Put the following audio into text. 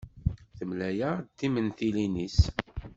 Temlaya-ɣ-d timentilin-is.